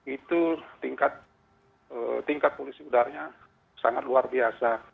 itu tingkat polisi udarnya sangat luar biasa